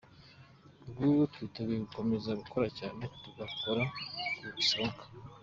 Ubu twiteguye gukomeza gukora cyane tugahora ku isonga”.